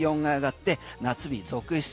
気温が上がって夏日続出。